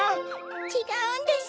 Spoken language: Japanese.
ちがうんです。